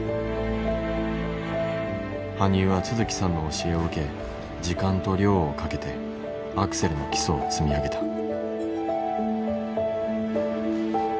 羽生は都築さんの教えを受け時間と量をかけてアクセルの基礎を積み上げた。